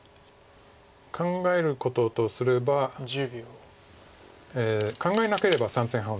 考えることとすれば考えなければ３線ハウんです。